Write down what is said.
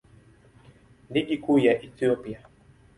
Ligi Kuu ya Ethiopia.